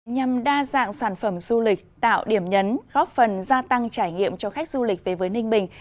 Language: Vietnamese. nhằm đa dạng sản phẩm du lịch tạo điểm nhấn góp phần gia tăng trải nghiệm cho khách du lịch về với ninh bình